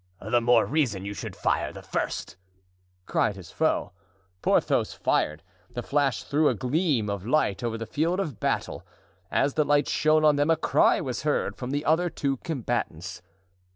"The more reason you should fire the first!" cried his foe. Porthos fired; the flash threw a gleam of light over the field of battle. As the light shone on them a cry was heard from the other two combatants.